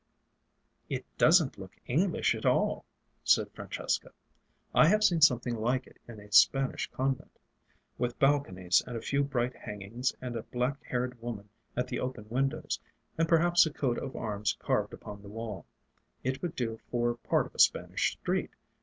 "It doesn't look English at all," said Francesca. "I have seen something like it in a Spanish convent. With balconies and a few bright hangings and a black haired woman at the open windows, and perhaps a coat of arms carved upon the wall, it would do for part of a Spanish street.